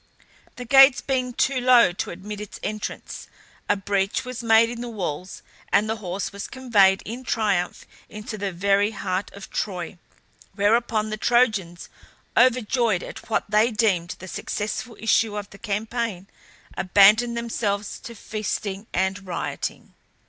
The gates being too low to admit its entrance, a breach was made in the walls, and the horse was conveyed in triumph into the very heart of Troy; whereupon the Trojans, overjoyed at what they deemed the successful issue of the campaign, abandoned themselves to feasting and rioting.